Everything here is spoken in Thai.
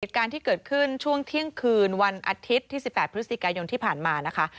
เหตุการณ์ที่เกิดขึ้นช่วงเที่ยงคืนวันอาทิตย์ที่๑๘พฤศจิกายนที่ผ่านมานะคะ